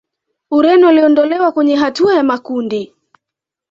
Ureno waliondolewa kwenye hatua ya makundi